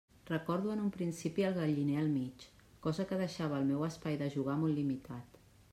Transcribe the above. Recordo en un principi el galliner al mig, cosa que deixava el meu espai de jugar molt limitat.